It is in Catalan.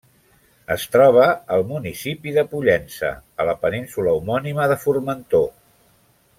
Es troba al municipi de Pollença, a la península homònima de Formentor.